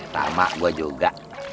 tama gua juga